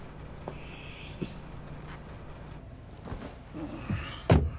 うん。